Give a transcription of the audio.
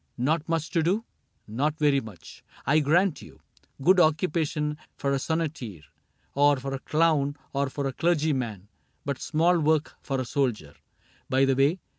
— Not much to do ? Not very much, I grant you : Good occupation for a sonneteer. Or for a clown, or for a clergyman. But small work for a soldier. By the way.